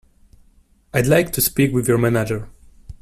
I'd like to speak with your manager.